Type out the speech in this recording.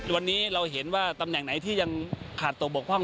วันนี้เราเห็นว่าตำแหน่งไหนที่ยังขาดตัวบกพร่อง